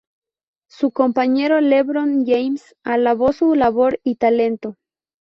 Su compañero LeBron James alabó su labor y talento.